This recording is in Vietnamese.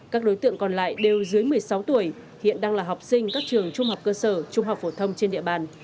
các đối tượng còn lại đều dưới một mươi sáu tuổi hiện đang là học sinh các trường trung học cơ sở trung học phổ thông trên địa bàn